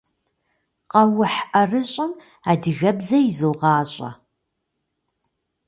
Къэухь ӏэрыщӏым адыгэбзэ изогъащӏэ.